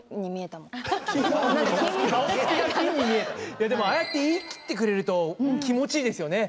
いや、でも、ああやって言い切ってくれると気持ちいいですよね。